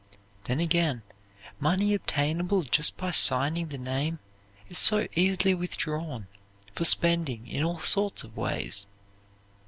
Then again, money obtainable just by signing the name is so easily withdrawn for spending in all sorts of ways.